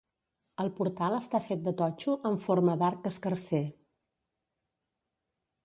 El portal està fet de totxo en forma d'arc escarser.